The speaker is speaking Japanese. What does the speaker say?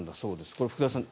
これ、福田さん